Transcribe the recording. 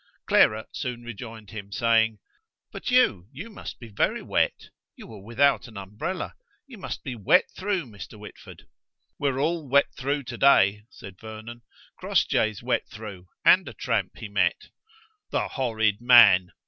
Clara soon rejoined him, saying: "But you, you must be very wet. You were without an umbrella. You must be wet through, Mr. Whitford." "We're all wet through, to day," said Vernon. "Crossjay's wet through, and a tramp he met." "The horrid man!